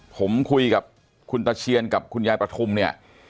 ผมคุยกับคุณตะเชียนกับคุณยายประทุมเนี่ย